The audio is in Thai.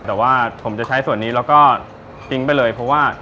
แต่ว่าผมจะใช้ส่วนนี้แล้วก็ทิ้งไปเลยเพราะว่า